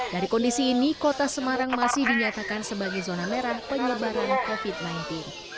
dari kondisi ini kota semarang masih dinyatakan sebagai zona merah penyebaran covid sembilan belas